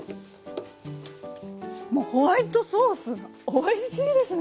もうホワイトソースがおいしいですね！